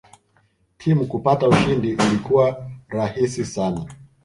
Timu kupata ushindi ilikuwa rahisi sana